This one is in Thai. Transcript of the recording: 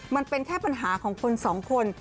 มันเป็นแค่ปัญหาของคนสองคน